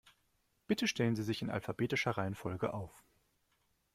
Bitte stellen Sie sich in alphabetischer Reihenfolge auf.